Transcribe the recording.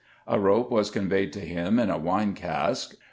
A rope was conveyed to him in a wine cask.